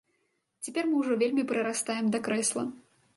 Цяпер мы ўжо вельмі прырастаем да крэсла.